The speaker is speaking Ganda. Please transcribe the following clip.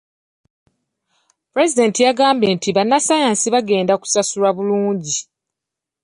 Pulezidenti yagambye nti bannassaayansi bagenda kusasulwa bulungi.